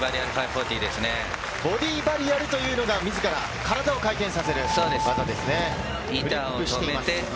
ボディーバリアルというのが、自ら体を回転させる技ですね。